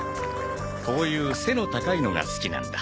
こういう背の高いのが好きなんだ。